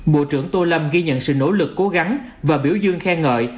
bộ trưởng tô lâm ghi nhận sự nỗ lực cố gắng và biểu dương khen ngợi